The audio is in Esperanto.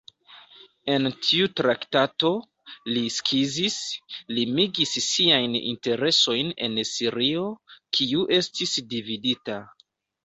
En tiu traktato, li skizis, limigis siajn interesojn en Sirio, kiu estis dividita.